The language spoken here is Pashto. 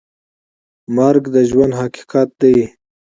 مرګ د ژوند حقیقت دی؟